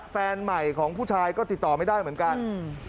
แฟนใหม่ของผู้ชายก็ติดต่อไม่ได้เหมือนกันอืม